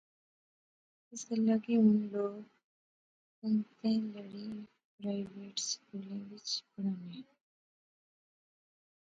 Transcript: اس گلاہ کہ ہن لوک کنگتیں کڑئیں پرائیویٹ سکولیں وچ پڑھانے